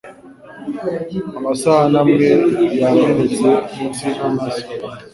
Amasahani amwe yamenetse munsi yinanasi pe